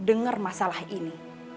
dengar masalah ini